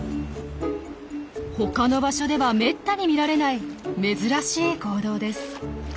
他の場所ではめったに見られない珍しい行動です。